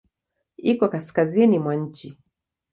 Iko kaskazini mwa nchi.